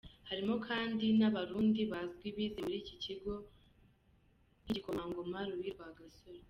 Harimo kandi n’Abarundi bazwi bize muri iki kigo nk’igikomangoma Louis Rwagasore.